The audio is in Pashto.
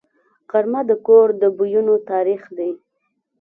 غرمه د کور د بویونو تاریخ دی